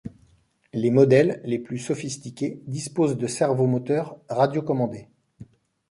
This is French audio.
Les modèles les plus sophistiqués disposent de servomoteurs radiocommandés.